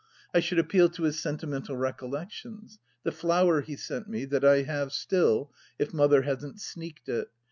I should appeal to his sentimental recollections, the flower he sent me, that I have still — if Mother hasn't sneaked it.